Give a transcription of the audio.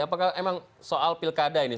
apakah soal pilkada ini